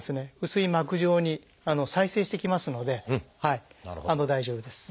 薄い膜状に再生してきますので大丈夫です。